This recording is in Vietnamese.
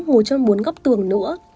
ngồi trong bốn góc tường nữa